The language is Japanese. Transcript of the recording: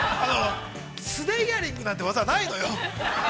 ◆素手イヤリングなんて、技はないのよ。